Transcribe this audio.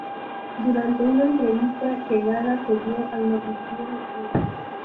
Durante una entrevista que Gaga cedió al noticiero E!